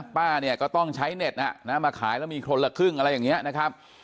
ป้าเนี่ยก็ต้องใช้เน็ตมาขายแล้วมีคนละครึ่งอะไรอย่างนี้นะครับ